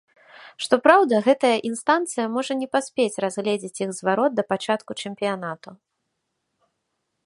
Што праўда, гэтая інстанцыя можа не паспець разгледзець іх зварот да пачатку чэмпіянату.